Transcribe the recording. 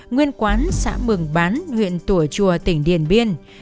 nguyên quán xã mường bán huyện tùa chùa tỉnh điện biên